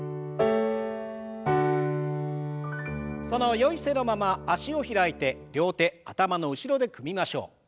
そのよい姿勢のまま脚を開いて両手頭の後ろで組みましょう。